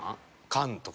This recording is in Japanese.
缶とか。